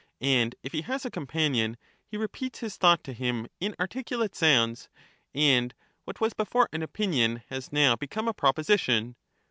And if he has a companion, he repeats his thought to him in articulate sounds, and what was before an opinion, has now become a proposition.